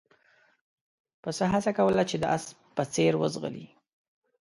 پسه هڅه کوله چې د اس په څېر وځغلي.